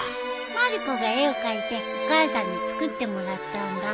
まる子が絵を描いてお母さんに作ってもらったんだ。